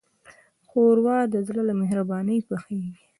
ښوروا د زړه له مهربانۍ پخیږي.